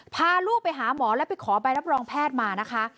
พาลูกไปหาหมอแล้วไปขอใบรับรองแพทย์มานะคะ